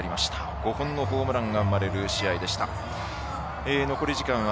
５本のホームランが生まれる試合でした。